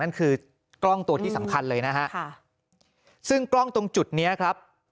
นั่นคือกล้องตัวที่สำคัญเลยนะฮะค่ะซึ่งกล้องตรงจุดเนี้ยครับ